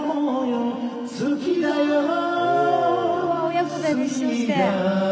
親子で熱唱して。